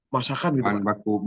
masakan gitu pak